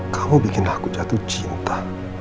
kamu bikin aku jatuh cinta